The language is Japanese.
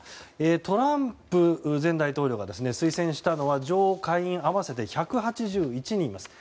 トランプ前大統領が推薦したのは上下院合わせて１８１人います。